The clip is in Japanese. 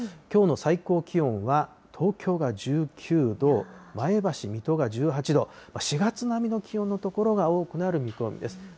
きょうの最高気温は、東京が１９度、前橋、水戸が１８度、４月並みの気温の所が多くなる見込みです。